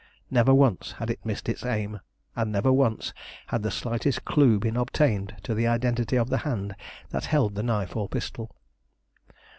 Never once had it missed its aim, and never once had the slightest clue been obtained to the identity of the hand that held the knife or pistol.